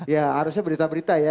ya harusnya berita berita ya